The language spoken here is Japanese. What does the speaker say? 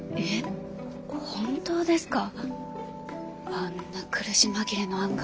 あんな苦し紛れの案が。